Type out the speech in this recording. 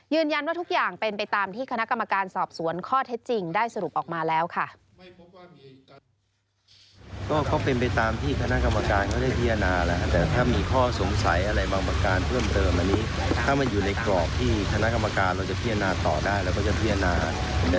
ตัวอย่างที่ในเรื่องของแพทย์กรรมวัตรจะดีกว่า